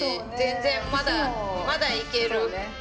全然まだまだいける。